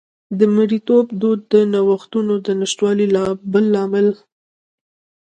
د مریتوب دود د نوښتونو د نشتوالي بل مهم لامل و